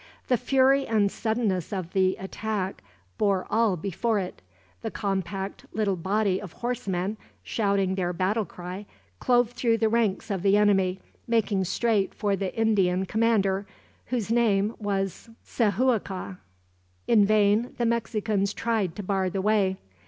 The fury and suddenness of the attack bore all before it. The compact little body of horsemen, shouting their battle cry, clove through the ranks of the enemy, making straight for the Indian commander, whose name was Cihuaca. In vain the Mexicans tried to bar the way.